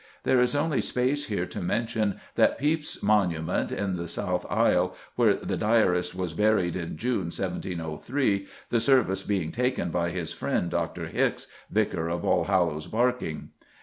There is only space here to mention the Pepys monument, in the South Aisle, where the diarist was buried in June, 1703, the service being taken by his friend Dr. Hickes, Vicar of Allhallows Barking.